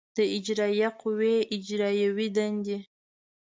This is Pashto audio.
د اجرایه قوې اجرایوې دندې